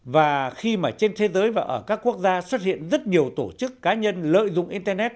và khi mà trên thế giới và ở các quốc gia xuất hiện rất nhiều tổ chức cá nhân lợi dụng